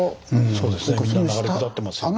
そうですね流れ下ってますよね。